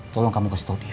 tolong kamu kasih tau dia